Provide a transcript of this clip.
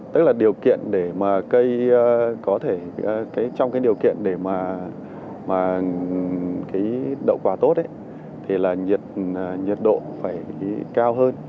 tức là điều kiện để mà cây có thể trong cái điều kiện để mà cái đậu quả tốt thì là nhiệt độ phải cao hơn